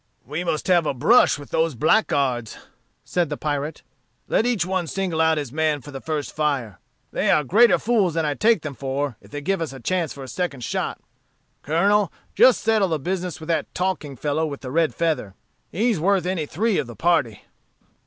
"We must have a brush with those blackguards," said the pirate. "Let each one single out his man for the first fire. They are greater fools than I take them for if they give us a chance for a second shot. Colonel, just settle the business with that talking fellow with the red feather. He's worth any three of the party."